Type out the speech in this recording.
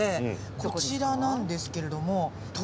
こちらなんですけれども。